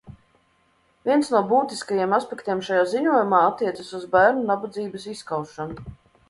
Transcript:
Viens no būtiskajiem aspektiem šajā ziņojumā attiecas uz bērnu nabadzības izskaušanu.